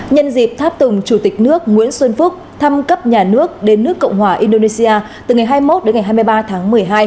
nhân dịp tháp tùng chủ tịch nước nguyễn xuân phúc thăm cấp nhà nước đến nước cộng hòa indonesia từ ngày hai mươi một đến ngày hai mươi ba tháng một mươi hai